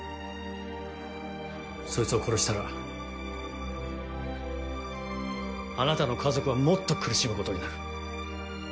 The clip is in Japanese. そいつを殺したらあなたの家族はもっと苦しむことになる。